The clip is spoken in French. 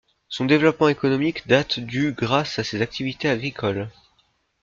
Son développement économique date du grâce à ses activités agricoles.